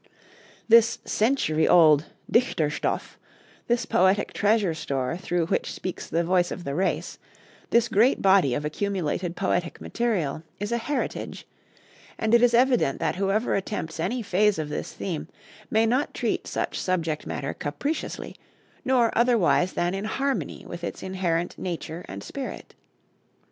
This century old 'Dichterstoff,' this poetic treasure store through which speaks the voice of the race, this great body of accumulated poetic material, is a heritage; and it is evident that whoever attempts any phase of this theme may not treat such subject matter capriciously, nor otherwise than in harmony with its inherent nature and spirit.